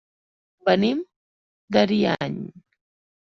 Venim d'Ariany.